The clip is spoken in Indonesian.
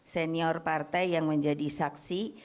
senior partai yang menjadi saksi